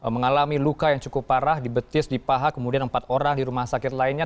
mengalami luka yang cukup parah di betis di paha kemudian empat orang di rumah sakit lainnya